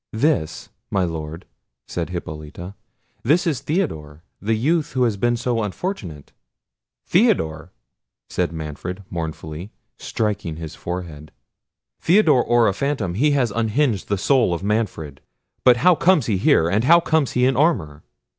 "This! my Lord," said Hippolita; "this is Theodore, the youth who has been so unfortunate." "Theodore!" said Manfred mournfully, and striking his forehead; "Theodore or a phantom, he has unhinged the soul of Manfred. But how comes he here? and how comes he in armour?"